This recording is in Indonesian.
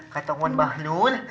kata kawan mbah nun